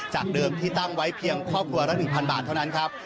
จากเดิมที่ตั้งไว้เพียงครอบครัวละ๑๐๐บาทเท่านั้นครับ